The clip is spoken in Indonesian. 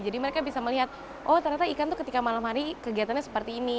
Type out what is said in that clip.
jadi mereka bisa melihat oh ternyata ikan itu ketika malam hari kegiatannya seperti ini